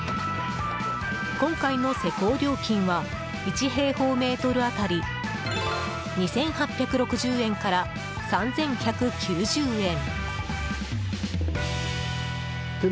今回の施工料金は１平方メートル当たり２８６０円から３１９０円。